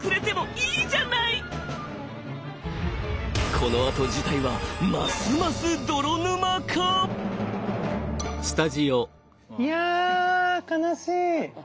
このあと事態はますますいや悲しい。